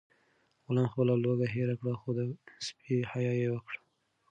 غلام خپله لوږه هېره کړه خو د سپي حیا یې وکړه.